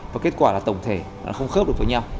và kết quả là tổng thể là không khớp được với nhau